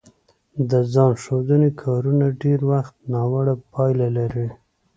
د ځان ښودنې کارونه ډېری وخت ناوړه پایله لري